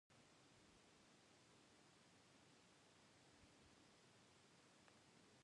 In Estonia, Kass owns some private companies, including two real estate companies.